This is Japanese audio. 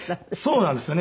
そうなんですよね。